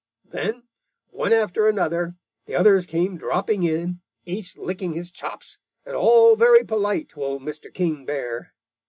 Then, one after another, the others came dropping in, each licking his chops, and all very polite to Old King Bear.